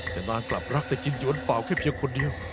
แต่นางกลับรักแต่กินหวนเป่าแค่เพียงคนเดียว